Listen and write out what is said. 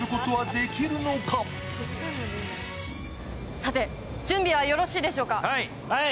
さて準備はよろしいでしょうか。